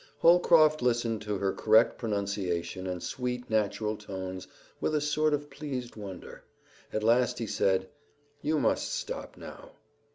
Holcroft listened to her correct pronunciation and sweet, natural tones with a sort of pleased wonder. At last he said, "You must stop now."